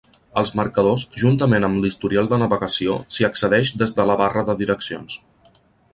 Els marcadors, juntament amb l'historial de navegació, s'hi accedeix des de la barra de direccions.